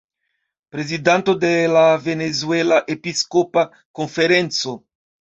Prezidanto de la "Venezuela Episkopa Konferenco".